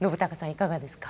いかがですか？